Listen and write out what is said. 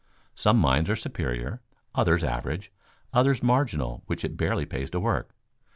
Some mines are superior, others average, others marginal which it barely pays to work.